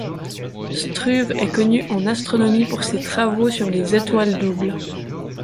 Struve est connu en astronomie pour ses travaux sur les étoiles doubles.